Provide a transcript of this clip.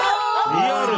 リアル！